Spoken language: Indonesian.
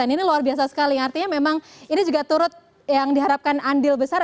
ini luar biasa sekali artinya memang ini juga turut yang diharapkan andil besar